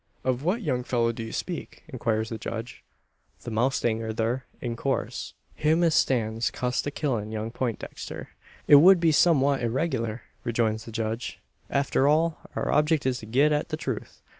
"Of what young fellow do you speak?" inquires the judge. "The mowstanger thur, in coorse. Him as stan's 'cused o' killin' young Peintdexter." "It would be somewhat irregular," rejoins the judge "After all, our object is to get at the truth.